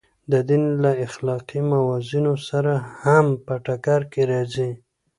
د دین له اخلاقي موازینو سره هم په ټکر کې راځي.